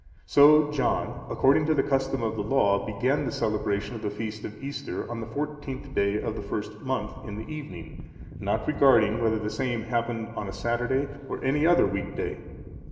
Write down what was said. So John, according to the custom of the Law, began the celebration of the feast of Easter, on the fourteenth day of the first month, in the evening, not regarding whether the same happened on a Saturday, or any other week day.